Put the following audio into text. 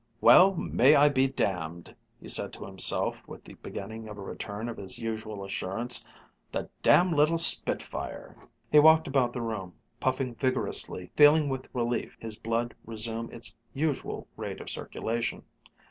"Well, may I be damned!" he said to himself with the beginning of a return of his usual assurance "the damn little spitfire!" He walked about the room, puffing vigorously, feeling with relief his blood resume its usual rate of circulation.